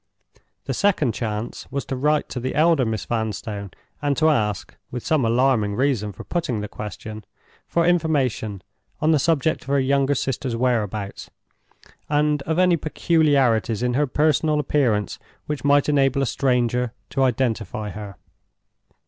The second chance was to write to the elder Miss Vanstone, and to ask (with some alarming reason for putting the question) for information on the subject of her younger sister's whereabouts, and of any peculiarities in her personal appearance which might enable a stranger to identify her.